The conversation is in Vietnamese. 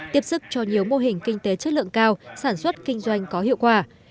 tiếp sức cho nhiều mô hình kinh tế chất lượng cao sản xuất kinh doanh có hiệu quả